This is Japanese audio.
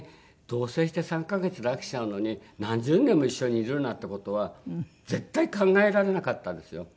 同棲して３カ月で飽きちゃうのに何十年も一緒にいるなんて事は絶対考えられなかったんですよ。